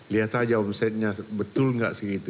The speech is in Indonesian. lihat aja omsetnya betul gak segitu